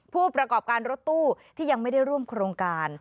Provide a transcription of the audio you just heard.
ผู้ประกอบการรถตู้ที่ยังไม่ได้ร่วมโครงการ